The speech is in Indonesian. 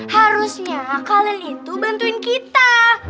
harusnya kalian itu bantuin kita